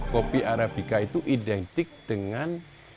kopi arabica itu identik dengan